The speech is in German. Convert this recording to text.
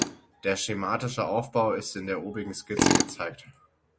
Der schematische Aufbau ist in der obigen Skizze gezeigt.